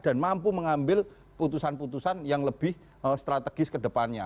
dan mampu mengambil putusan putusan yang lebih strategis ke depannya